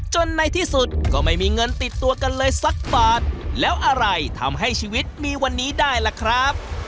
ในที่สุดก็ไม่มีเงินติดตัวกันเลยสักบาทแล้วอะไรทำให้ชีวิตมีวันนี้ได้ล่ะครับ